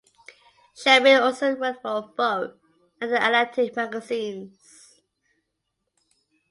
Sherrill also wrote for "Vogue" and "The Atlantic" magazines.